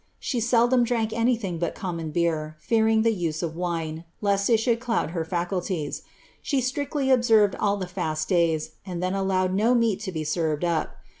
She seldom drank anything but common beer, fearing the use of wine^ lest it should cloud her Acuities. She strictly observed all the fast days, and then allowed no meat to be served up.